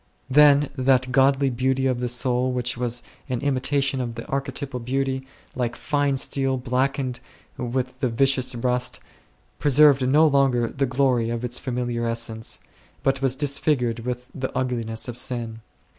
Then that godly beauty of the soul which was an imitation of the Arche typal Beauty, like fine steel blackened8 with the vicious rust, preserved no longer the glory of its familiar essence, but was disfigured with the ugliness of sin.